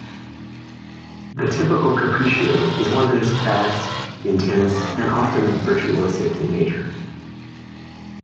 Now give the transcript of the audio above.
The typical capriccio is one that is fast, intense, and often virtuosic in nature.